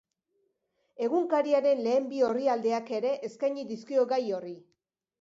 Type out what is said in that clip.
Egunkariaren lehen bi orrialdeak ere eskaini dizkio gai horri.